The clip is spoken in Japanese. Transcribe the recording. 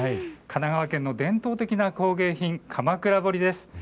神奈川県の伝統的な工芸品鎌倉彫です。